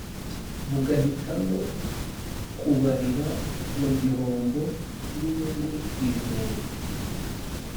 bugahitamo kubarira mu gihombo n'inyungu ibihumbi